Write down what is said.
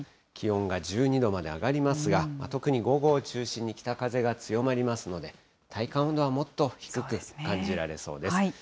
気温が１２度まで上がりますが、特に午後を中心に北風が強まりますので、体感温度はもっと低く感じられそうです。